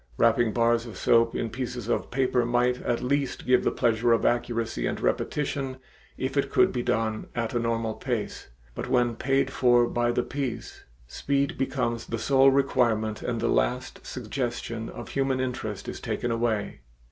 Wrapping bars of soap in pieces of paper might at least give the pleasure of accuracy and repetition if it could be done at a normal pace, but when paid for by the piece, speed becomes the sole requirement and the last suggestion of human interest is taken away.